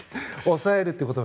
抑えるということ。